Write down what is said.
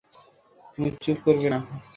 তুমি চুপ করবে না?